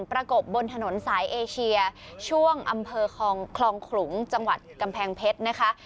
ประกบบนถนนสายเอเชียช่วงอำเภอคลองขลุงจังหวัดกำแพงเพชรนะคะ